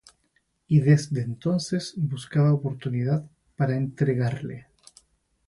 Y desde entonces buscaba oportunidad para entregarle.